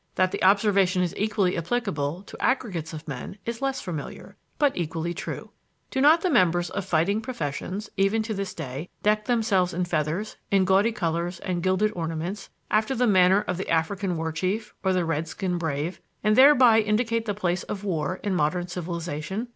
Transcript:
That the observation is equally applicable to aggregates of men is less familiar, but equally true. Do not the members of fighting professions, even to this day, deck themselves in feathers, in gaudy colors and gilded ornaments, after the manner of the African war chief or the Redskin "brave," and thereby indicate the place of war in modern civilization?